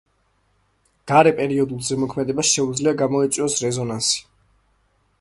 გარე პერიოდულ ზემოქმედებას შეუძლია გამოიწვიოს რეზონანსი.